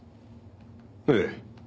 ええ。